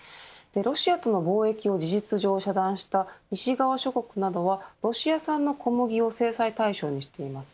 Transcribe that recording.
ロシアとの貿易を事実上遮断した西側諸国などはロシア産の小麦を制裁対象にしています。